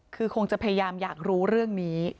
คือคงจะพยายามอยากรู้เรื่องนี้